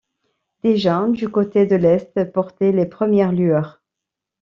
Déjà, du côté de l’est, portaient les premières lueurs...